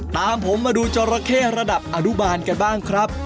ตามผมมาดูจราเข้ระดับอนุบาลกันบ้างครับ